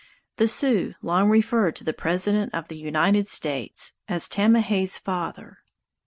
The Sioux long referred to the president of the United States as "Tamahay's father."